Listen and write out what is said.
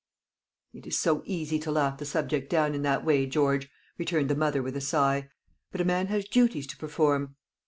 "It is so easy to laugh the subject down in that way, George," returned the mother with a sigh. "But a man has duties to perform."